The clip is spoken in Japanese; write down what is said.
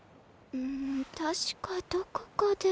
うん確かどこかで。